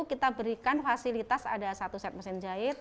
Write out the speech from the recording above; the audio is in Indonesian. kita berikan fasilitas ada satu set mesin jahit